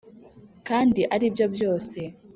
kandi aribyo byose